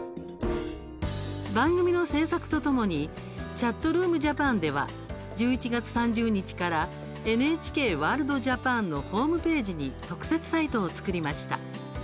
番組の制作とともに「ＣｈａｔｒｏｏｍＪａｐａｎ」では１１月３０日からＮＨＫワールドＪＡＰＡＮのホームページに特設サイトを作りました。